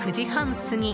過ぎ